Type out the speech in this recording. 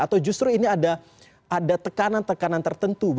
atau justru ini ada tekanan tekanan tertentu